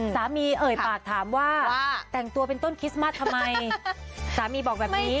เอ่ยปากถามว่าแต่งตัวเป็นต้นคริสต์มัสทำไมสามีบอกแบบนี้